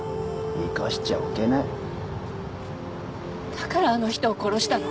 だからあの人を殺したの？